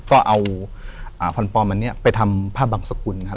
ก็เอาพรปลอมอันนี้ไปทำผ้าบังสกุลนะครับ